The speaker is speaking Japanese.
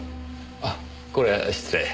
あっこれは失礼。